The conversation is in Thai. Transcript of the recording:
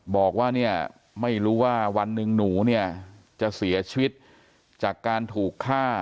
บอกว่าเนี่ยไม่รู้ว่าวันหนึ่งหนูเนี่ยจะเสียชีวิตจากการถูกฆ่า